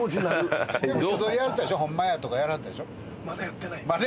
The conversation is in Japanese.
まだやってない？